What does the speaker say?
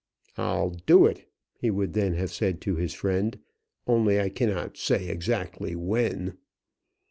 "I'll do it," he would then have said to his friend; "only I cannot exactly say when."